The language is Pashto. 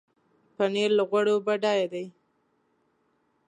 پنېر له غوړو بډایه دی.